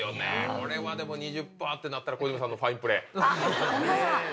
これはでも２０％ってなったら小泉さんのファインプレー。ねぇ。